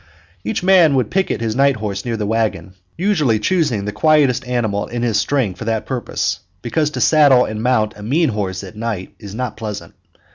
Each man would picket his night horse near the wagon, usually choosing the quietest animal in his string for that purpose, because to saddle and mount a "mean" horse at night is not pleasant.